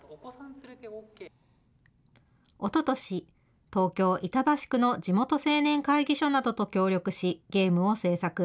おととし、東京・板橋区の地元青年会議所などと協力しゲームを制作。